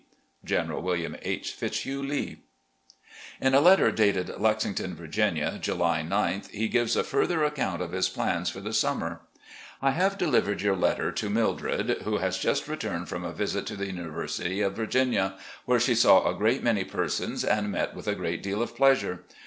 "General William H. Fitzhugh Lee." * Rockbridge Baths. 36 o recollections OF GENERAL LEE In a letter dated Lexington, Virginia, July 9th, he gives a further account of his plans for the summer: "... I have delivered your letter to Mildred, who has just returned from a visit to the University of Virginia, where she saw a great many persons and met with a great deal of pleasure.